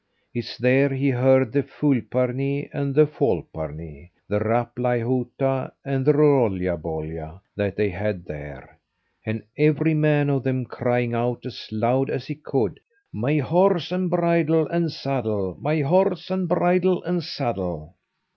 It's there he heard the fulparnee, and the folpornee, the rap lay hoota, and the roolya boolya, that they had there, and every man of them crying out as loud as he could: "My horse, and bridle, and saddle! My horse, and bridle, and saddle!"